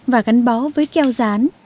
và gắn bó với keo rán